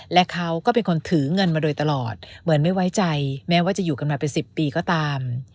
และเขาก็เป็นคนถือเงินมาโดยตลอดเหมือนไม่ไว้ใจแม้ว่าจะอยู่กันมาเป็น๑๐ปีก็ตาม